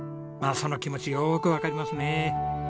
まあその気持ちよくわかりますね。